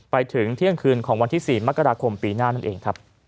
ไปถึงเที่ยงคืนของวันที่๔มกราคมปีหน้านั่นเองครับ